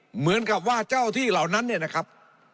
เหมือนกับว่าเจ้าที่เหล่านั้นเนี่ยนะครับ